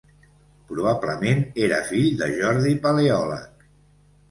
Probablement era fill de Jordi Paleòleg.